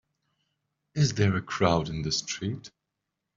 Is there a crowd in the street?